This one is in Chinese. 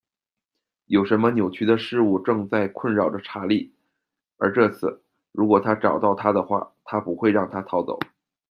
有什么扭曲的事物正在困扰着查莉，而这次，如果它找到她的话，它不会让她逃走。